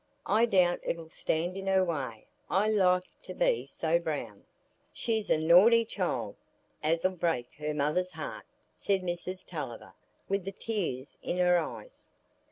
I doubt it'll stand in her way i' life to be so brown." "She's a naughty child, as'll break her mother's heart," said Mrs Tulliver, with the tears in her eyes.